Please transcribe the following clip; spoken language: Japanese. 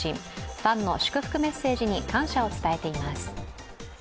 ファンの祝福メッセージに感謝を務めています。